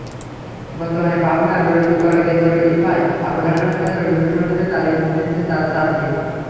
বর্তমানে পাবনা ললিতকলা কেন্দ্র ইফায় আবুল হাশেমের কাছে রবীন্দ্রসংগীতের তালিম নিচ্ছেন চাঁদনী।